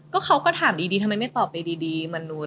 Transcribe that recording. เขาก็ถามดีทำไมไม่ตอบไปดีมนุษย์